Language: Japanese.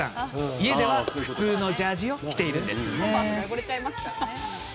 家では、普通のジャージを着ています。